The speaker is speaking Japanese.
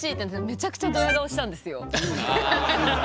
めちゃくちゃドヤ顔したんですよ。